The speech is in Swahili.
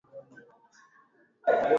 Zamani maisha yalikuwa yenye raha tele